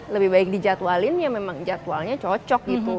lebih baik dijadwalin ya memang jadwalnya cocok gitu